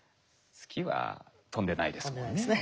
月は飛んでないですもんね。